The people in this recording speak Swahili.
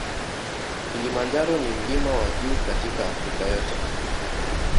Kilimanjaro na mlima wa juu katika Afrika yote.